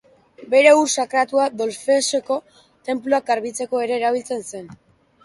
Bere ur sakratua, Delfoseko tenpluak garbitzeko ere erabiltzen zen.